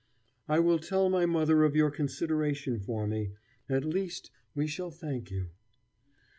"I will tell my mother of your consideration for me. At least, we shall thank you."